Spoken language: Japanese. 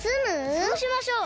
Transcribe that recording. そうしましょう。